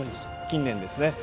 近年ですね